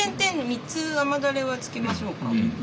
３つ雨だれはつけましょうか。